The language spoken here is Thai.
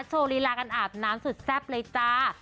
โชว์ลีลากันอาบน้ำสุดแซ่บเลยจ้า